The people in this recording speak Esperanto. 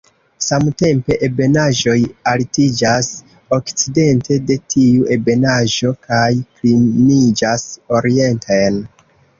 Samtempe, ebenaĵoj altiĝas okcidente de tiu ebenaĵo, kaj kliniĝas orienten.